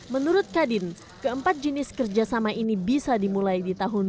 menurut kadin keempat jenis kerjasama ini bisa dimulai di tahun dua ribu dua puluh